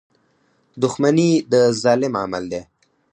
• دښمني د ظالم عمل دی.